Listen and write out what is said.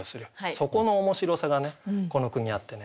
そこの面白さがねこの句にあってね